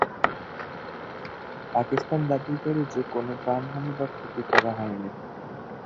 পাকিস্তান দাবি করে যে কোনও প্রাণহানি বা ক্ষতি করা হয়নি।